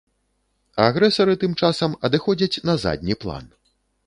Агрэсары тым часам адыходзяць на задні план.